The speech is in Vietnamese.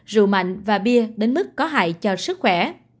rượu mạnh và bia đến mức có hại cho sức khỏe